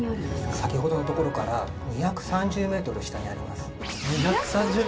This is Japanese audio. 先ほどの所から２３０ｍ下にあります。